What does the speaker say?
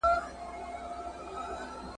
له ملا څخه خوابدې سوه عورته `